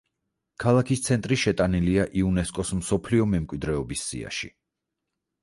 ქალაქის ცენტრი შეტანილია იუნესკო-ს მსოფლიო მემკვიდრეობის სიაში.